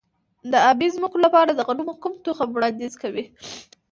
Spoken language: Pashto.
د ابي ځمکو لپاره د غنمو کوم تخم وړاندیز کوئ؟